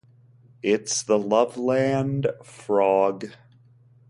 It's the Loveland Frog!